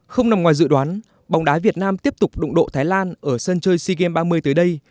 không nằm ngoài dự đoán bóng đá việt nam tiếp tục đụng độ thái lan ở sân chơi sea games ba mươi tới đây